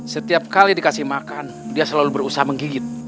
setiap kali dikasih makan dia selalu berusaha menggigit